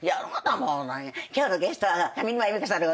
「今日のゲストは上沼恵美子さんでございます」